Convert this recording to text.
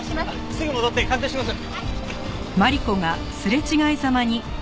すぐ戻って鑑定します。